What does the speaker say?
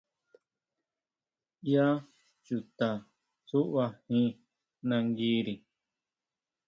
¿ʼYá chuta tsuʼbajín nanguiri?